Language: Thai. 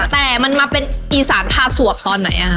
แต่มันมาเป็นอีสานพาสวบตอนไหน